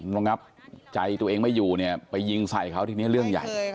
ระงับใจตัวเองไม่อยู่เนี่ยไปยิงใส่เขาทีนี้เรื่องใหญ่